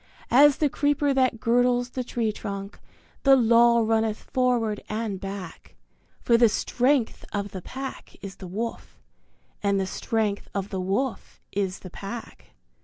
As the creeper that girdles the tree trunk the Law runneth forward and back For the strength of the Pack is the Wolf, and the strength of the Wolf is the Pack.